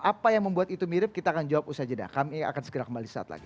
apa yang membuat itu mirip kita akan jawab usaha jeda kami akan segera kembali saat lagi